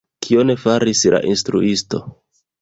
Kion faris la instruisto?